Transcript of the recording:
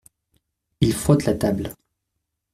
Il frotte la table.